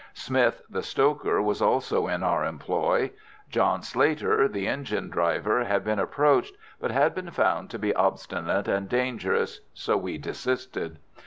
Smith, the stoker, was also in our employ. John Slater, the engine driver, had been approached, but had been found to be obstinate and dangerous, so we desisted.